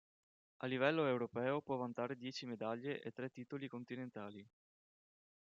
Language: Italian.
A livello europeo può vantare dieci medaglie e tre titoli continentali.